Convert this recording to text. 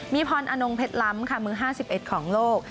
มีพรอนงเพชรล้ำค่ะมือ๕๑ของโลก